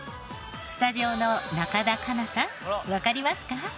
スタジオの中田花奈さんわかりますか？